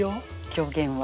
狂言は。